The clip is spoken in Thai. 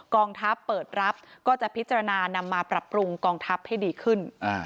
กองทัพเปิดรับก็จะพิจารณานำมาปรับปรุงกองทัพให้ดีขึ้น